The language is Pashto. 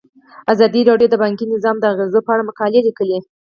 ازادي راډیو د بانکي نظام د اغیزو په اړه مقالو لیکلي.